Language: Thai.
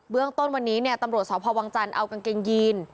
เรื่องต้นวันนี้เนี่ยตำรวจสพวังจันทร์เอากางเกงยีน